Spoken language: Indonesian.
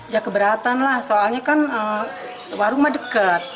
ya keberatan lah soalnya kan warung mah deket